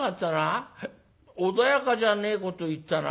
穏やかじゃねえこと言ったな。